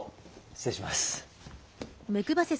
失礼します。